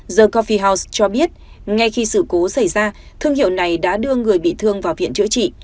the confie house cho biết ngay khi sự cố xảy ra thương hiệu này đã đưa người bị thương vào viện chữa trị